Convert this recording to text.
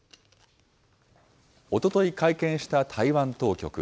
おととい会見した台湾当局。